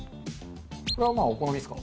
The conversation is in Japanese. これはまあお好みですか。